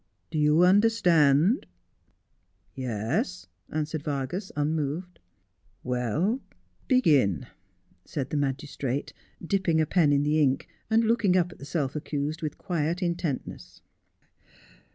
Do you understand 1 '' Yes,' answered Vargas unmoved. ' Well, begin,' said the magistrate, dipping a pen in the ink, and looking up at the self accused with quiet intentness.